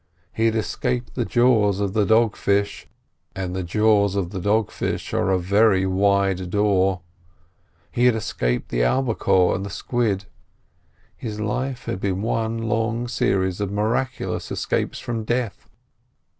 He had escaped the jaws of the dog fish, and the jaws of the dog fish are a very wide door; he had escaped the albicore and squid: his life had been one long series of miraculous escapes from death.